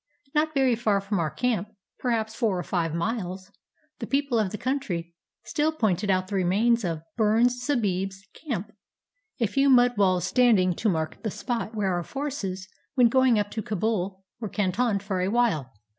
Not very far from our camp — perhaps four or five miles — the people of the country still pointed out the remains of "Burnes Sahib's" camp, a few mud walls standing to mark the spot where our forces, when going up to Kabul, were cantoned for a while.